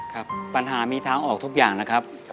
ครับปัญหามีทางออกทุกอย่างนะครับ